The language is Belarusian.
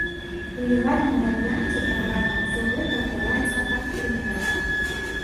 У легальным варыянце праграмы ўсё гэта адбываецца адкрыта.